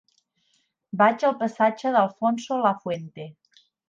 Vaig al passatge d'Alfonso Lafuente.